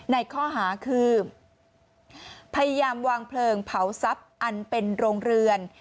ในข้อหาคือพยายามวางเพลิงเผาทรัพย์อันเป็นโรงเรือน